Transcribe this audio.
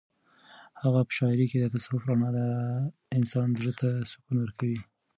د هغه په شاعرۍ کې د تصوف رڼا د انسان زړه ته سکون ورکوي.